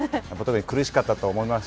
苦しかったと思います。